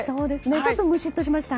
ちょっとムシッとしました。